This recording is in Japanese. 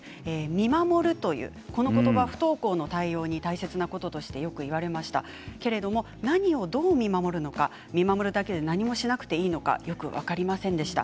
見守るという言葉は不登校の対応に大切な言葉としてよく言われますが何をどうするのか見守るだけで何もしなくていいのかとよく分かりませんでした。